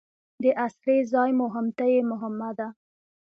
د اسرې ځای مو هم ته یې محمده.